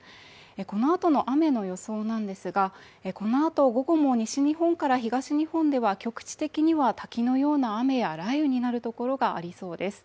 この後の雨の予想なんですがこのあと午後も西日本から東日本では局地的には滝のような雨や雷雨になるところがありそうです。